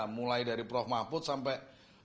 mulai dari prof mahfud sampai